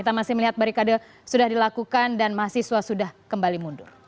kita masih melihat barikade sudah dilakukan dan mahasiswa sudah kembali mundur